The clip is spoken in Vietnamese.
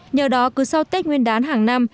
nhờ đó cứ sau tết nguyên đán hàng năm